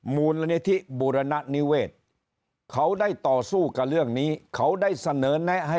มูลนิธิบุรณนิเวศเขาได้ต่อสู้กับเรื่องนี้เขาได้เสนอแนะให้